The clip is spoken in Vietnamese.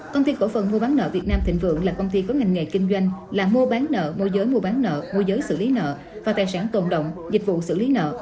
công ty khổ phần mua bán nợ việt nam thịnh vượng là công ty có ngành nghề kinh doanh là mua bán nợ mua giới mua bán nợ mua giới xử lý nợ và tài sản cộng đồng dịch vụ xử lý nợ